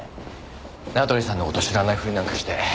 名取さんの事知らないふりなんかして。